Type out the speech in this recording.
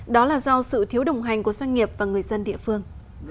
đó là do sự thiếu đồng hành của doanh nghiệp và người dân địa phương